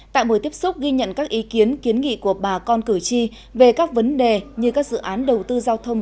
tại buổi tiếp xúc ghi nhận các ý kiến kiến nghị của bà con cử tri về các vấn đề như các dự án đầu tư giao thông